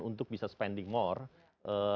untuk bisa spending more